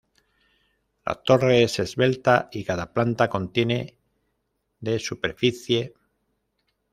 La torre es esbelta, y cada planta contiene de superficie.